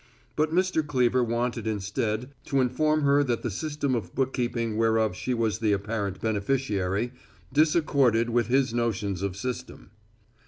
But Mr. Cleever wanted instead to inform her that the system of bookkeeping whereof she was the apparent beneficiary disaccorded with his notions of system.